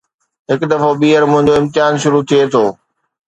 هڪ دفعو ٻيهر منهنجو امتحان شروع ٿئي ٿو